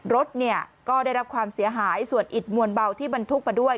รถเนี่ยก็ได้รับความเสียหายส่วนอิดมวลเบาที่บรรทุกมาด้วย